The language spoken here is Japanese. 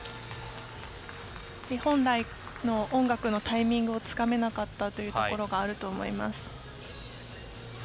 本来の音楽のタイミングをつかめなかったところがあると思います。